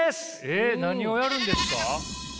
えっ何をやるんですか？